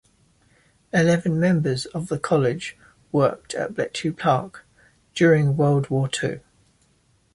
Eleven members of the college worked at Bletchley Park during World War Two.